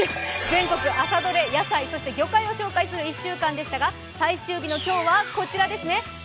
全国の朝どり野菜と魚介を紹介する朝でしたが最終日の今日はこちらです。